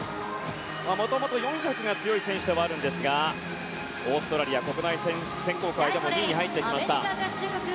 元々４００が強い選手ではあるんですがオーストラリア国内戦地区選考会でも２位に入ってきました。